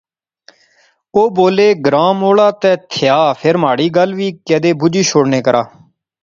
او بولے، گراں موہڑا تے تھیا فیر مہاڑی گل وی کیدے بجی شوڑنے کرا